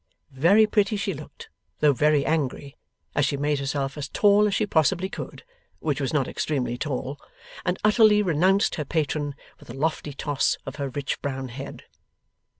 Very pretty she looked, though very angry, as she made herself as tall as she possibly could (which was not extremely tall), and utterly renounced her patron with a lofty toss of her rich brown head.